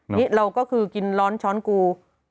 นี่เราก็คือกินร้อนช้อนกู